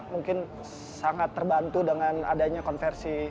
mungkin sangat terbantu dengan adanya konversi